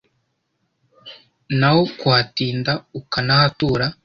N’aho kuhatinda ukanahatura